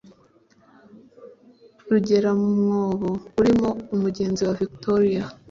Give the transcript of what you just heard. rugera mu mwobo urimo umugezi wa victoria